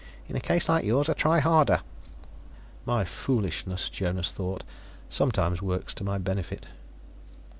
"In a case like yours, I try harder." "My foolishness," Jonas thought, "sometimes works to my benefit."